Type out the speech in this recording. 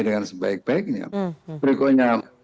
dengan sebaik baiknya berikutnya